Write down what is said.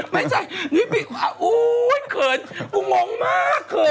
ไม่ใช่นี่นี่โอ้โฮเคิร์ตพี่งงมากเกิน